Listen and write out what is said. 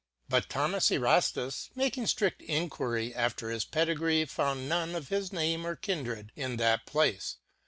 But Thomas Eraftus making ftrid enquiry after his pedigree found none of his name or kinred in that place.